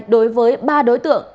đối với ba đối tượng